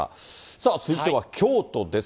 さあ続いては京都です。